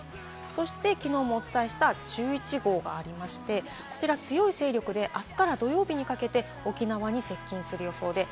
そして、きのうもお伝えした１１号がありまして、こちら強い勢力で、あすから土曜日にかけて沖縄に接近する予想です。